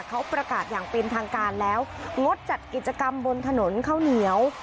เขาประกาศอย่างเป็นทางการแล้วงดจัดกิจกรรมบนถนนข้าวเหนียว